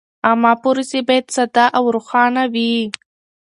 عامه پروسې باید ساده او روښانه وي.